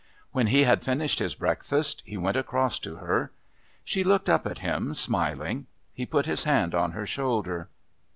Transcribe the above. When he had finished his breakfast he went across to her. She looked up at him, smiling. He put his hand on her shoulder.